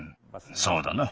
そうだな。